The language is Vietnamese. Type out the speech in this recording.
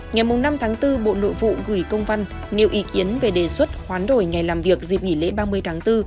ngày năm tháng bốn bộ nội vụ gửi công văn nêu ý kiến về đề xuất khoán đổi ngày làm việc dịp nghỉ lễ ba mươi tháng bốn